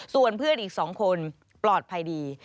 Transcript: ส่วนเพื่อนอีก๒คนปลอดภัยดี